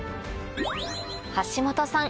橋本さん